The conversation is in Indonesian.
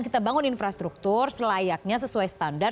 kita bangun infrastruktur selayaknya sesuai standar